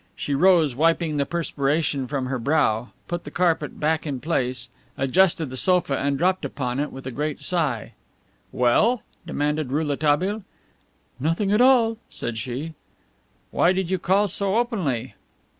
She rose, wiping the perspiration from her brow, put the carpet hack in place, adjusted the sofa and dropped upon it with a great sigh. "Well?" demanded Rouletabille. "Nothing at all," said she. "Why did you call so openly?"